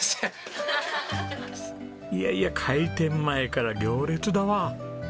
いやいや開店前から行列だわ。